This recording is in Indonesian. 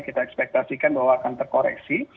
kita ekspektasikan bahwa akan terkoreksi